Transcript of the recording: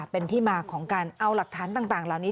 เป็นที่มาของการเอาหลักฐานต่างเหล่านี้